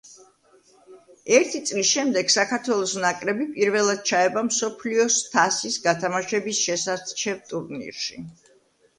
ერთი წლის შემდეგ საქართველოს ნაკრები პირველად ჩაება მსოფლიოს თასის გათამაშების შესარჩევ ტურნირში.